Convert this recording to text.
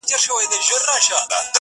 • دا برخه د کيسې تر ټولو توره مرحله ده,